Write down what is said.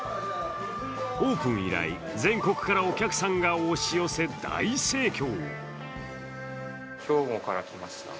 オープン以来、全国からお客さんが押し寄せ大盛況。